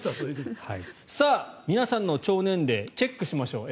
皆さんの腸年齢をチェックしましょう。